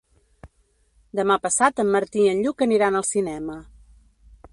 Demà passat en Martí i en Lluc aniran al cinema.